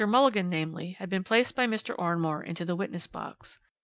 Mulligan, namely, had been placed by Mr. Oranmore into the witness box.